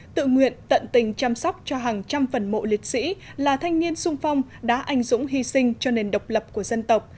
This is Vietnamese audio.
tự nguyện tận tình chăm sóc cho hàng trăm phần mộ liệt sĩ là thanh niên sung phong đã anh dũng hy sinh cho nền độc lập của dân tộc